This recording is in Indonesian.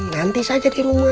nanti saja di rumah